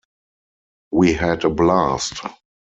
We had a blast!